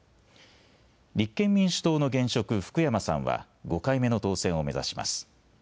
立憲民主党の現職、福山さんは５回目の当選を目指します。